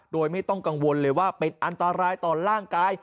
โดยไม่ต้องกังวลเลยว่าเป็นอันตรายต่อร่างกาย